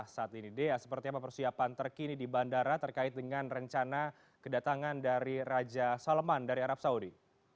saat ini dea seperti apa persiapan terkini di bandara terkait dengan rencana kedatangan dari raja salman dari arab saudi